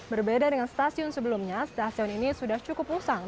berbeda dengan stasiun sebelumnya stasiun ini sudah cukup usang